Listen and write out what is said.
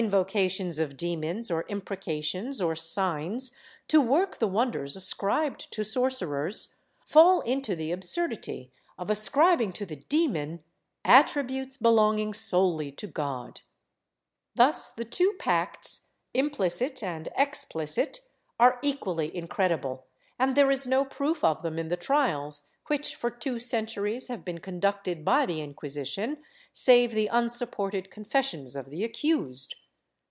of David Fergusson Esq. CiLVP. VIII] PERSISTENT BELIEF 203 cations of demons, or imprecations, or signs, to work the wonders ascribed to sorcerers, fall into the absurdity of ascribing to the demon attributes belonging solely to God. Thus the two pacts, implicit and explicit, are equally incredible and there is no proof of them in the trials which for two centuries have been conducted by the Inquisition, save the unsupported confessions of the accused.